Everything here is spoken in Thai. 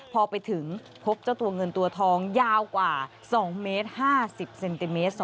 พอไปถึงพบเจ้าตัวเงินตัวทองยาวกว่า๒เมตร๕๐เซนติเมตร